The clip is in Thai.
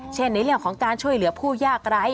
ในเรื่องของการช่วยเหลือผู้ยากไร้